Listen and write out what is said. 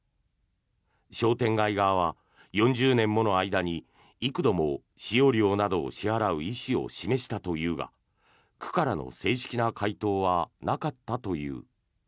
商店街側は４０年もの間に幾度も使用料などを支払う意思を示したというが区からの正式な回答はなかったという。